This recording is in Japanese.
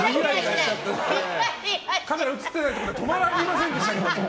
カメラ映ってないところで止まりませんでしたけど。